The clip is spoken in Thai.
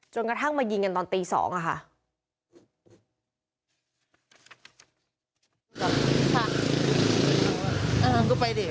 จนกระทั่งมายิงกันตอนตีสองอะค่ะ